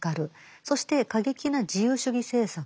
そして過激な自由主義政策を入れる。